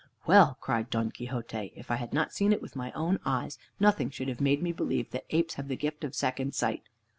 "Well," cried Don Quixote, "if I had not seen it with my own eyes, nothing should have made me believe that apes have the gift of second sight.